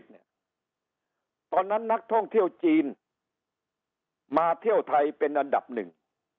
ตอนนั้นนักท่องเที่ยวจีนมาเที่ยวไทยเป็นอันดับหนึ่ง